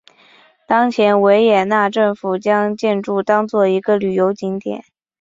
当前维也纳政府将建筑当作一个旅游景点。